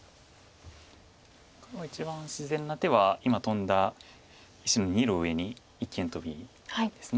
一番自然な手は今トンだ石の２路上に一間トビです。